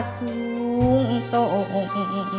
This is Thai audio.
สูงส่ง